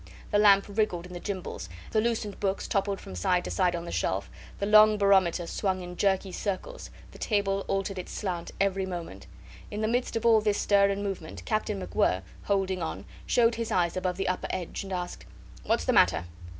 The lamp wriggled in the gimbals, the loosened books toppled from side to side on the shelf, the long barometer swung in jerky circles, the table altered its slant every moment. In the midst of all this stir and movement Captain MacWhirr, holding on, showed his eyes above the upper edge, and asked, "What's the matter?"